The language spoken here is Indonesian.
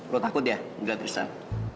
lo takut ya di latrisan